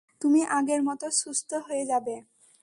তুমি আগের মতো সুস্থ হয়ে যাবে!